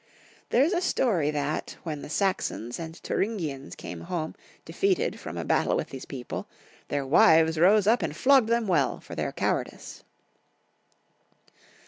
There is a story that, when the Saxons and Thuringians came home defeated from a battle with these people, their wives rose up and flogged them well for their cowardice.